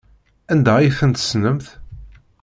Anda ay tent-tessnemt?